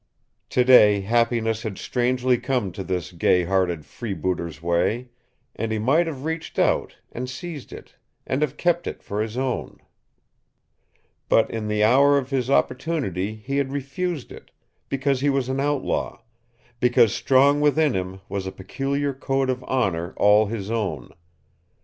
Today happiness had strangely come this gay hearted freebooter's way, and he might have reached out, and seized it, and have kept it for his own. But in the hour of his opportunity he had refused it because he was an outlaw because strong within him was a peculiar code of honor all his own.